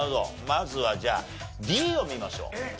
まずはじゃあＤを見ましょう。